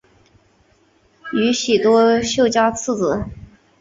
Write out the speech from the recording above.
宇喜多秀家次子。